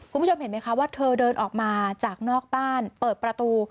คุณผู้ชมเห็นไหมคะว่าเธอเดินออกมาจากนอกบ้านเปิดประตู